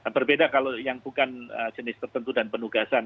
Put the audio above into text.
berbeda kalau yang bukan jenis tertentu dan penugasan